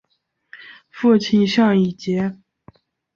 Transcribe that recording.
父亲向以节。